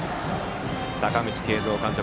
阪口慶三監督